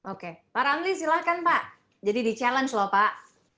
oke pak ramli silahkan pak jadi di challenge loh pak